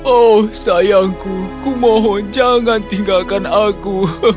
oh sayangku kumohon jangan tinggalkan aku